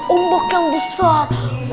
ombok yang besar